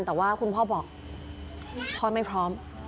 แต่ว่าคุณพ่อบอกพ่อไม่พร้อม